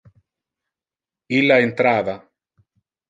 Illa entrava.